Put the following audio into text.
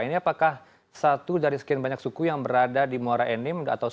ini apakah satu dari sekian banyak suku yang ada di morenin atau sumatera selatan pak toto